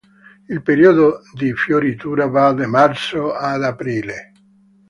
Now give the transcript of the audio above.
Il periodo di fioritura va da marzo ad aprile.